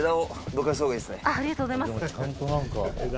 ありがとうございます。